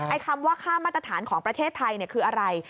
คำว่าค่ามาตรฐานของประเทศไทยคืออะไร